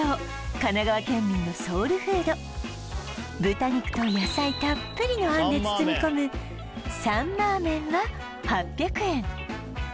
神奈川県民のソウルフード豚肉と野菜たっぷりの餡で包み込むサンマーメンは８００円